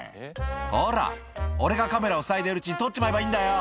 「ほら俺がカメラをふさいでるうちに取っちまえばいいんだよ」